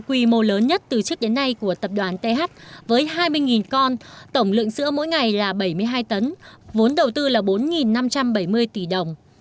quy mô lớn nhất từ trước đến nay của tập đoàn th với hai mươi con tổng lượng sữa mỗi ngày là bảy mươi hai tấn vốn đầu tư là bốn năm trăm bảy mươi tỷ đồng